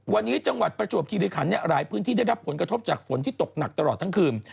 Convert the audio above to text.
วันนี้จังหวัดประจวบคิริขันหลายพื้นที่ได้รับผลกระทบจากฝนที่ตกหนักตลอดทั้งคืน